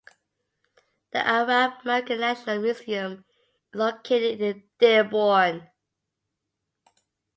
The Arab American National Museum is located in Dearborn.